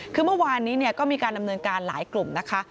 คือเมื่อวานนี้ก็มีการดำเนินการหลายกลุ่มนะคะ